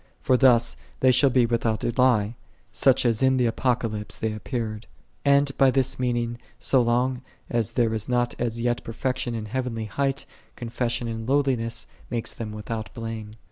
For thus they shall be without a lie, such as in the Apocalypse they appeared. And by this means so long as there is not as yet per fection in heavenly height, confession in low liness maketh them without blame.